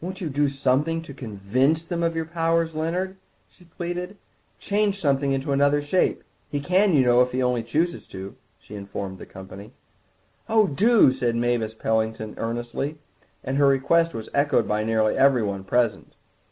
"Won't you do something to convince them of your powers, Leonard?" she pleaded; "change something into another shape. He can, you know, if he only chooses to," she informed the company. "Oh, do," said Mavis Pellington earnestly, and her request was echoed by nearly everyone present.